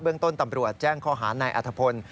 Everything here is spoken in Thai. เบื้องต้นตำรวจแจ้งข้อหารในอัธพนธ์